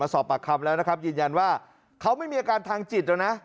สอบปากคำแล้วนะครับยืนยันว่าเขาไม่มีอาการทางจิตแล้วนะ